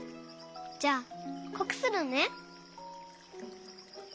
じゃあこくするね！